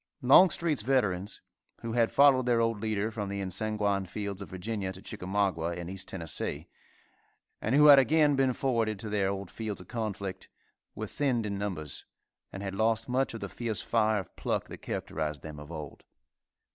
Longstreet's veterans, who had followed their old leader from the ensanguined fields of Virginia to Chicamauga and East Tennessee, and who had again been forwarded to their old fields of conflict, were thinned in numbers, and had lost much of the fierce fire of pluck that characterised them of old.